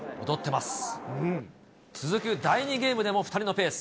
続く第２ゲームでも２人のペース。